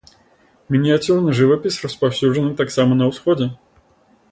Мініяцюрны жывапіс распаўсюджаны таксама на ўсходзе.